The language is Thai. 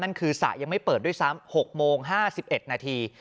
นั่นคือสระยังไม่เปิดด้วยซ้ำ๖โมง๕๑นาที